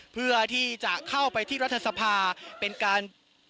เพื่อที่จะเข้าไปที่รัฐสภาเป็นการ